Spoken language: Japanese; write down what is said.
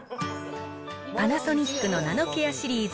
パナソニックのナノケアシリーズ